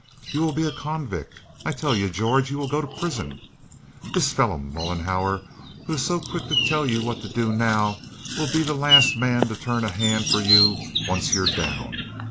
You will be a convict, I tell you, George. You will go to prison. This fellow Mollenhauer, who is so quick to tell you what not to do now, will be the last man to turn a hand for you once you're down.